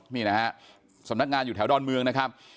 นี่นะฮะสำนักงานอยู่แถวดอนเมืองนะครับ